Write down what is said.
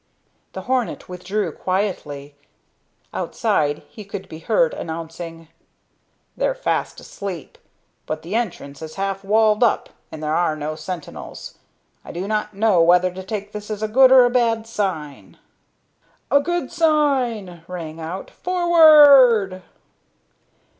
The hornet withdrew quietly. Outside he could be heard announcing: "They're fast asleep. But the entrance is half walled up and there are no sentinels. I do not know whether to take this as a good or a bad sign." "A good sign!" rang out. "Forward!"